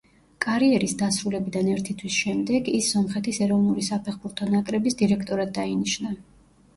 კარიერის დასრულებიდან ერთი თვის შემდეგ ის სომხეთის ეროვნული საფეხბურთო ნაკრების დირექტორად დაინიშნა.